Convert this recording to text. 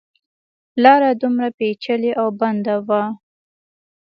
لاره دومره پېچلې او بنده وه.